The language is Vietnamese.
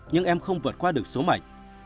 nhưng em không vượt qua được số mạnh